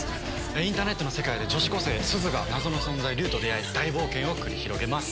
インターネットの世界で女子高生すずが謎の存在竜と出会い大冒険を繰り広げます。